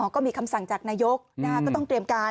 ก็มีคำสั่งจากนายกก็ต้องเตรียมการ